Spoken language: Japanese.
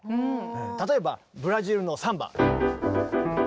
例えばブラジルのサンバ。